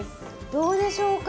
どうでしょうか？